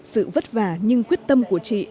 sự vất vả nhưng quyết tâm của chị